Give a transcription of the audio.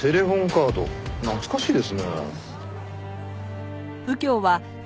カード懐かしいですね。